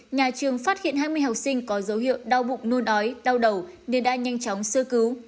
nhà trường phát hiện hai mươi học sinh có dấu hiệu đau bụng nôn ói đau đầu nên đã nhanh chóng sơ cứu